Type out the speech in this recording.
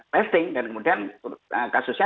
testing dan kemudian kasusnya